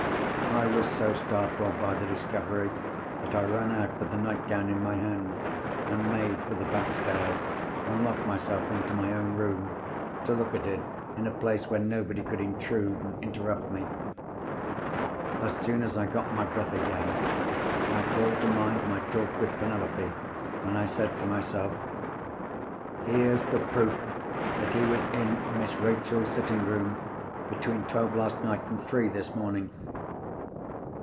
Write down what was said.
"I was so startled by the discovery that I ran out with the nightgown in my hand, and made for the back stairs, and locked myself into my own room, to look at it in a place where nobody could intrude and interrupt me. "As soon as I got my breath again, I called to mind my talk with Penelope, and I said to myself, 'Here's the proof that he was in Miss Rachel's sitting room between twelve last night, and three this morning!